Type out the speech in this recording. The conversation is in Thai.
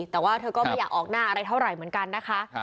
แต่ว่าเธอก็ไม่อยากออกหน้าอะไรเท่าไหร่เหมือนกันนะคะ